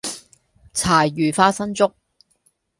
柴魚花生粥